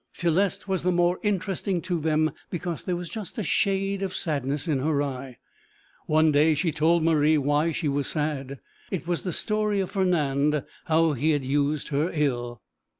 Céleste was the more interesting to them because there was just a shade of sadness in her eye. One day she told Marie why she was sad; it was the story of Fernand, how he had used her ill.